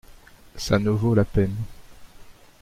Ça ne vaut la peine.